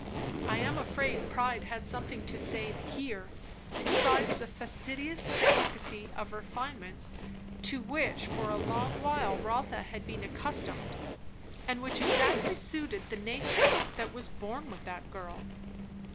I am afraid pride had something to say here, besides the fastidious delicacy of refinement to which for a long while Rotha bad been accustomed, and which exactly suited the nature that was born with the girl.